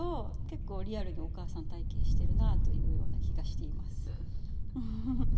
結構リアルにお母さん体験してるなというような気がしています。